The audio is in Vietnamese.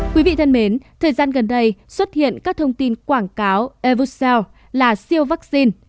thưa quý vị thời gian gần đây xuất hiện các thông tin quảng cáo evucel là siêu vaccine